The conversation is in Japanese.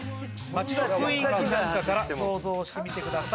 町の雰囲気なんかから想像してみてください。